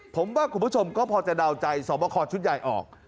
ผมว่าคุณผู้ชมก็พอจะเดาใจสอบคอชุดใหญ่ออก